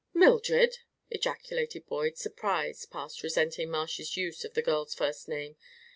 "Mildred!" ejaculated Boyd, surprised past resenting Marsh's use of the girl's first name.